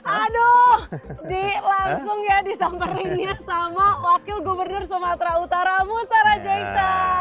aduh langsung ya disamperinnya sama wakil gubernur sumatera utara musara jaisa